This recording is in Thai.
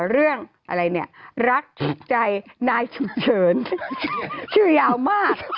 เรื่องอะไรเนี่ยรักถูกใจนายฉุกเฉินชื่อยาวมาก